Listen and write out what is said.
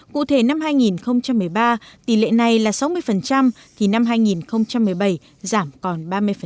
cụ thể năm hai nghìn một mươi ba tỷ lệ này là sáu mươi thì năm hai nghìn một mươi bảy giảm còn ba mươi